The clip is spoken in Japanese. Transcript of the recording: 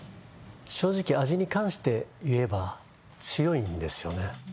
正直味に関して言えば強いんですよね